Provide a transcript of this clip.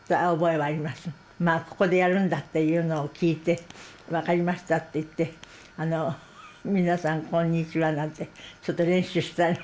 ここでやるんだっていうのを聞いて分かりましたって言って「皆さんこんにちは」なんてちょっと練習したのを覚えてますけど。